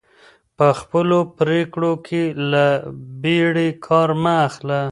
په خپلو پرېکړو کي له بیړې کار مه اخله.